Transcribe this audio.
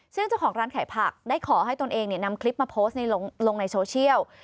ซึ่งเจ้าของร้านขายผักได้ขอให้ตนเองนำคลิปมาโพสต์ลงในโซเชียล